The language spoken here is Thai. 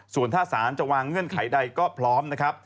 ส่วนถ้าศาลจะวางเงื่อนไขใดก็พร้อมนะครับ